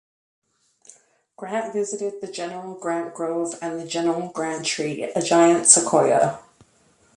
Grant visited the General Grant Grove and the General Grant tree, a Giant Sequoia.